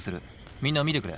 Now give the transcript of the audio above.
みんな見てくれ。